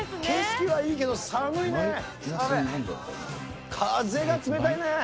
景色はいいけど、寒いね。